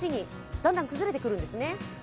だんだん崩れていくんですね。